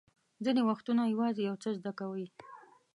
ځینې وختونه یوازې یو څه زده کوئ.